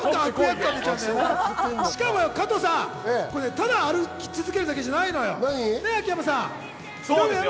しかも加藤さん、歩き続けるだけじゃないのよ、秋山さん。